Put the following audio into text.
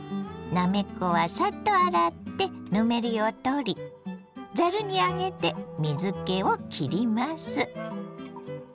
なめこはサッと洗ってぬめりをとりざるに上げて水けをきります。